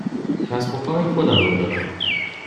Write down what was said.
کسب و کار خودم را دارم.